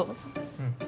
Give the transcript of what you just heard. うん。